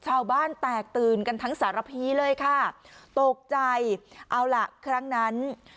ชาวบ้านแตกตื่นกันทั้งสารพีเลยค่ะตกใจเอาล่ะครั้งนั้น